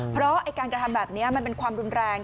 เพราะการกระทำแบบนี้มันเป็นความรุนแรง